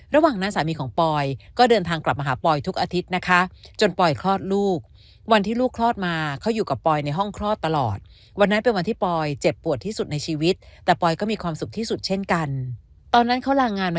ระหว่างนั้นสามีของปอยก็เดินทางกลับมาหาปอยทุกอาทิตย์นะคะ